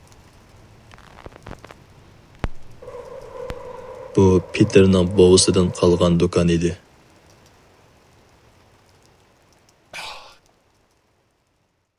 بۇ پېتىرنىڭ بوۋىسىدىن قالغان دۇكان ئىدى.